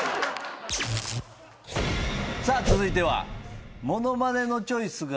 さあ続いては。